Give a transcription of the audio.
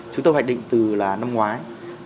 chúng tôi hoạch định từ năm ngoái